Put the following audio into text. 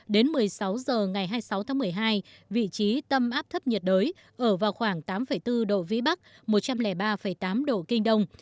đến một mươi sáu h ngày hai mươi sáu tháng một mươi hai vị trí tâm áp thấp nhiệt đới ở vào khoảng tám bốn độ vĩ bắc một trăm linh ba tám độ kinh đông